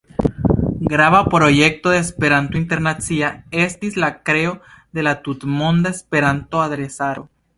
Grava projekto de "Esperanto Internacia" estis la kreo de la Tutmonda Esperanto-adresaro.